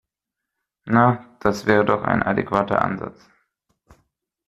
Na, das wäre doch ein adäquater Ansatz.